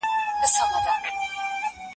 زه هره ورځ موبایل کاروم.